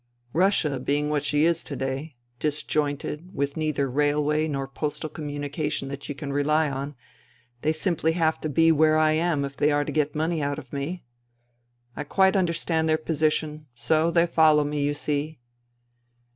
Russia being what she is to day — disjointed, with neither railway nor postal communication that you can rely on, they simply have to be where I am if they are to get money out of me. I quite understand their position. So they follow me, you see.